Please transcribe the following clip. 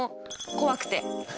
怖くて。